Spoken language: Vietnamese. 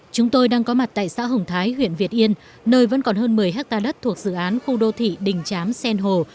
chúng tôi đang có mặt tại xã hồng thái huyện việt yên nơi vẫn còn hơn một mươi hectare đất thuộc dự án khu đô thị đình chám xen hồ